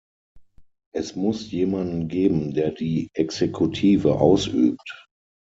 Es muss jemanden geben, der die Exekutive ausübt.